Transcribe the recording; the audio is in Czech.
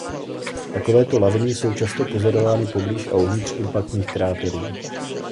Takovéto laviny jsou často pozorovány poblíž a uvnitř impaktních kráterů.